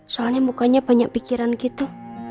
soalnya mukanya banyak pikiran gitu